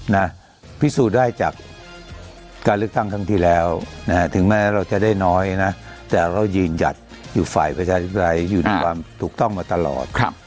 เนี่ยพิสูจน์ได้จากการเรือกตั้งทั้งทีแล้วถึงแม้เราจะได้น้อยนะแต่เรายืนหยัดอยู่ฝ่ายประชาชนรายอยู่ที่มันถูกต้องมาตลอดครับ